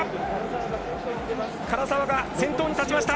唐澤が先頭に立ちました！